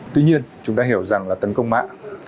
tuy nhiên chúng ta hiểu rằng là tấn công mạng